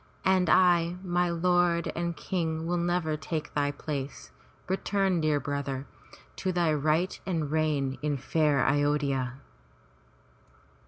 And I, my lord and King, will never take thy place. Return, dear brother, to thy rights and reign in fair A yod'hya!"